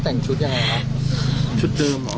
เหมือนเดิม